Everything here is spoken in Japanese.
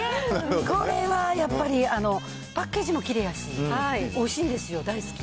これはやっぱり、パッケージもきれいやし、おいしいんですよ、大好き。